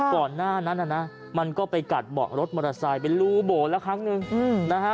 ก่อนหน้านั้นน่ะนะมันก็ไปกัดเบาะรถมอเตอร์ไซค์เป็นรูโบดแล้วครั้งหนึ่งนะฮะ